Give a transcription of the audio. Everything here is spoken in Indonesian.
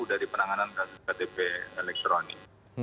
dari penanganan ktp elektronik